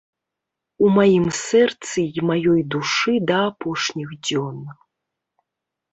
У маім сэрцы й маёй душы да апошніх дзён.